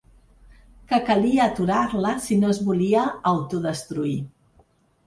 Que calia aturar-la si no es volia autodestruir.